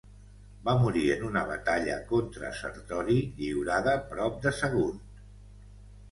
Va morir en una batalla contra Sertori lliurada prop de Sagunt.